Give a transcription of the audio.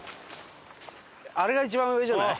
あれが一番上じゃない？